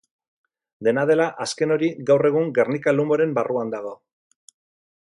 Dena dela, azken hori gaur egun Gernika-Lumoren barruan dago.